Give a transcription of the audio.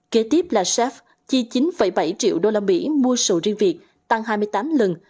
kế tiếp là shep chi chín bảy triệu usd mua sầu riêng việt tăng hai mươi tám lần